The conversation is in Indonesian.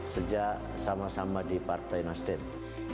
sejak sama sama di partai nasdem